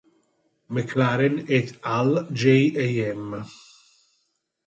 McLaren et al., J. Am.